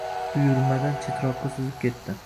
Uyurmadan chetroqqa suzib ketdi